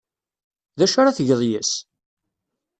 D acu ara tgeḍ yes-s?